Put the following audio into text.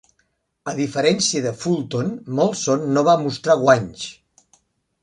A diferència de Fulton, Molson no va mostrar guanys.